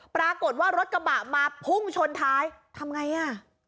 ปรากฏว่ารถกระบะมาพุ่งชนท้ายทำไงอ่ะ